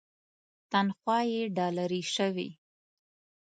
تنخوا یې ډالري شوې.